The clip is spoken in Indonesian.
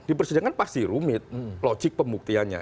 di persidangan pasti rumit logik pembuktiannya